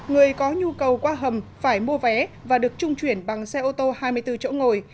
người có nhu cầu qua hầm phải mua vé và được trung chuyển bằng xe ô tô hai mươi bốn chỗ ngồi